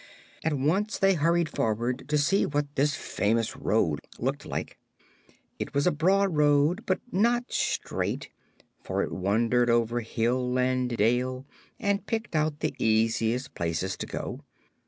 At once they hurried forward to see what this famous road looked like. It was a broad road, but not straight, for it wandered over hill and dale and picked out the easiest places to go.